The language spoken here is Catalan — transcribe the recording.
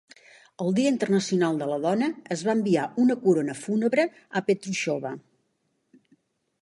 El Dia Internacional de la Dona, es va enviar una corona fúnebre a Petrushova.